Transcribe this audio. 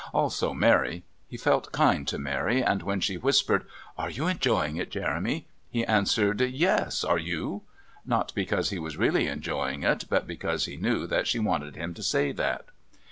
Also Mary. He felt kind to Mary, and when she whispered "Are you enjoying it, Jeremy?" he answered "Yes; are you?" Not because he was really enjoying it, but because he knew that she wanted him to say that.